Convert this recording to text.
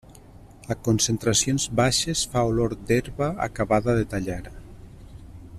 A concentracions baixes fa olor d'herba acabada de tallar.